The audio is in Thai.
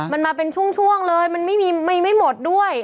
มันมาเป็นช่วงเลยมันไม่หมดด้วย